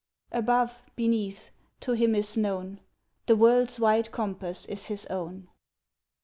Above, beneath, to him is known, The world's wide compass is his own.